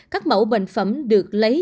các mẫu bệnh phẩm được lấy